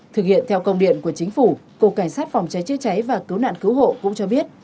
thực hiện theo công điện của chính phủ cục cảnh sát phòng cháy chữa cháy và cứu nạn cứu hộ cũng cho biết